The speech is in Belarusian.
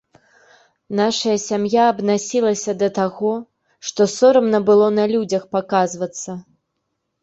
Наша сям'я абнасілася да таго, што сорамна было на людзях паказвацца.